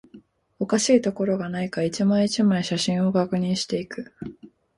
おかしいところがないか、一枚、一枚、写真を確認していく